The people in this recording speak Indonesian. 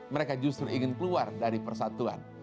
mereka justru ingin keluar dari persatuan